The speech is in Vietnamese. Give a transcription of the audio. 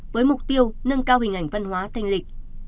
với mục tiêu nâng cao hình ảnh văn hóa thanh lịch